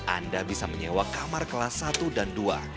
anda bisa menyewa kamar kelas satu dan dua